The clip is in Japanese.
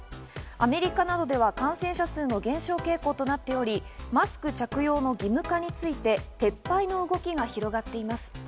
アメリカなどでは感染者数の減少傾向となっており、マスク着用の義務化について撤廃の動きが広がっています。